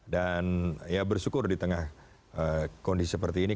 dan ya bersyukur di tengah kondisi seperti ini